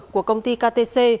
của công ty ktc